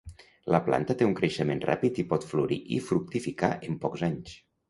La planta té un creixement ràpid i pot florir i fructificar en pocs anys.